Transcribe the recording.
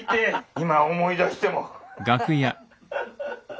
今思い出してもハハハ！